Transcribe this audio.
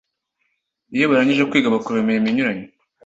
iyo barangije kwiga, bakora imirimo inyuranye